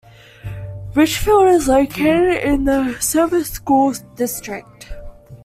Richfield is located in the Sevier School District.